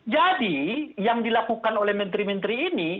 jadi yang dilakukan oleh menteri menteri ini